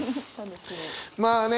まあね